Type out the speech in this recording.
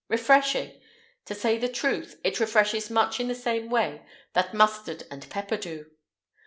Refreshing! to say the truth, it refreshes much in the same way that mustard and pepper do.